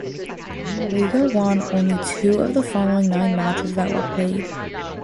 Riga won only two of the following nine matches that were played.